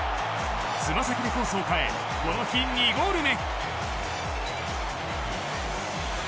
つま先でコースを変えこの日、２ゴール目。